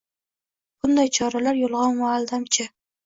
Bunday choralar yolg'on va aldamchi